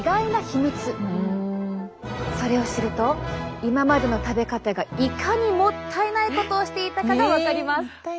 それを知ると今までの食べ方がいかにもったいないことをしていたかが分かります。